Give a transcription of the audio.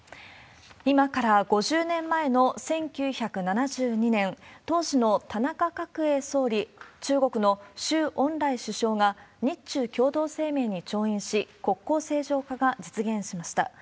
今から５０年前の１９７２年、当時の田中角栄総理、中国の周恩来首相が日中共同声明に調印し、国交正常化が実現しました。